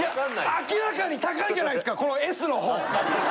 明らかに高いじゃないですかこのＳの方。